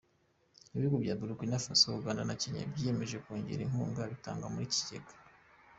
Ibihugu bya Burkina Faso, Uganda na Kenya byiyemeza kongera inkunga bitanga muri iki kigega.